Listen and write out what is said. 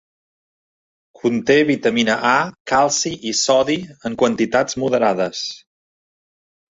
Conté vitamina A, calci i sodi en quantitats moderades.